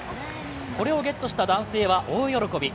これをゲットした男性は大喜び。